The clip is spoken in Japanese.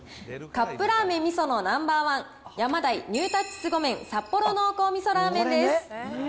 カップラーメンみそのナンバー１、ヤマダイ、ニュータッチ凄麺札幌濃厚味噌ラーメンです。